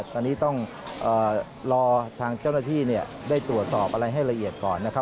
ตอนนี้ต้องรอทางเจ้าหน้าที่ได้ตรวจสอบอะไรให้ละเอียดก่อนนะครับ